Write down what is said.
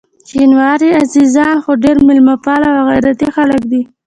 شینواري عزیزان خو ډېر میلمه پال او غیرتي خلک دي.